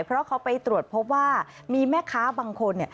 เพราะเขาไปตรวจพบว่ามีแม่ค้าบางคน